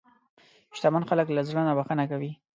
شتمن خلک له زړه نه بښنه کوي.